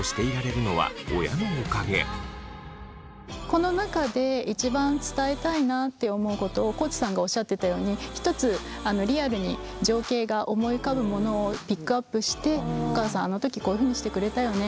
この中で一番伝えたいなって思うことを地さんがおっしゃってたように１つリアルに情景が思い浮かぶものをピックアップしてお母さんあの時こういうふうにしてくれたよね